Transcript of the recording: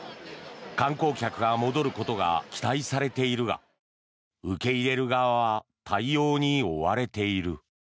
観光客が戻ることが期待されているが受け入れる側は対応に追われている。